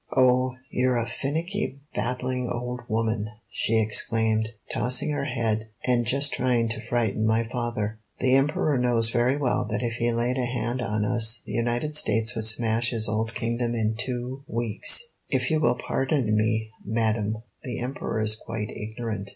"Oh, you're a finicky, babbling old woman," she exclaimed, tossing her head, "and just trying to frighten my father. The Emperor knows very well that if he laid a hand on us the United States would smash his old kingdom in two weeks." "If you will pardon me, madam, the Emperor is quite ignorant.